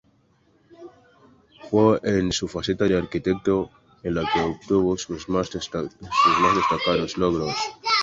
Fue en su faceta de arquitecto en la que obtuvo sus más destacados logros.